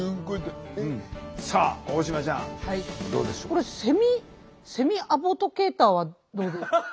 これセミセミアドボケイターはどうでしょう？